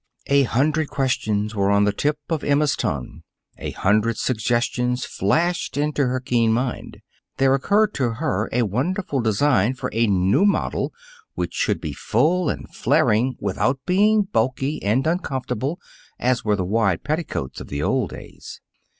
A hundred questions were on the tip of Emma's tongue; a hundred suggestions flashed into her keen mind; there occurred to her a wonderful design for a new model which should be full and flaring without being bulky and uncomfortable as were the wide petticoats of the old days.